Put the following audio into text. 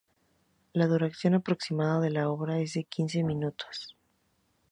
La duración aproximada de la obra es de quince minutos.